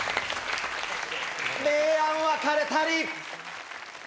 明暗分かれたり！